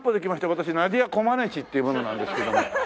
私ナディア・コマネチっていう者なんですけども。